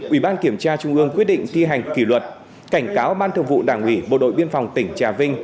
ủy ban kiểm tra trung ương quyết định thi hành kỷ luật cảnh cáo ban thường vụ đảng ủy bộ đội biên phòng tỉnh trà vinh